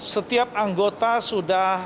setiap anggota sudah